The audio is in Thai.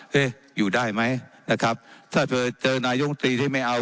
อยู่ได้ไหมนะครับถ้าเจอนายมตรีที่ไม่เอา